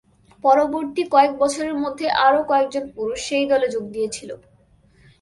পরবর্তী কয়েক বছরের মধ্যে আরও কয়েক জন পুরুষ সেই দলে যোগ দিয়েছিল।